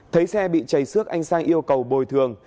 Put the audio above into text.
thấy xe bị chảy xước anh sang yêu cầu bồi thường